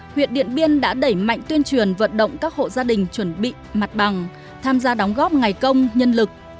huyện điện biên đã đẩy mạnh tuyên truyền vận động các hộ gia đình chuẩn bị mặt bằng tham gia đóng góp ngày công nhân lực